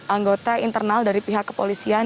anggota internal dari pihak kepolisian